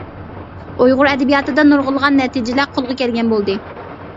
ئۇيغۇر ئەدەبىياتىدا نۇرغۇنلىغان نەتىجىلەر قولغا كەلگەن بولدى.